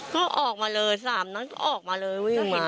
ก็ออกมาเลย๓นัดก็ออกมาเลยวิ่งมา